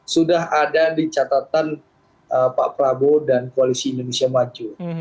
sudah ada di catatan pak prabowo dan koalisi indonesia maju